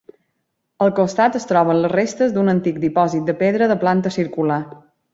Al costat es troben les restes d'un antic dipòsit de pedra de planta circular.